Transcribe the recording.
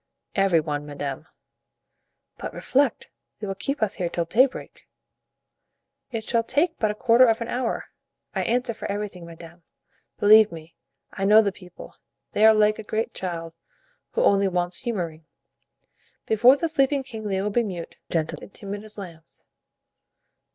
"Every one, madame." "But reflect, they will keep us here till daybreak." "It shall take but a quarter of an hour, I answer for everything, madame; believe me, I know the people; they are like a great child, who only wants humoring. Before the sleeping king they will be mute, gentle and timid as lambs."